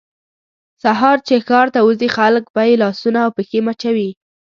سهار چې ښار ته وځي خلک به یې لاسونه او پښې مچوي.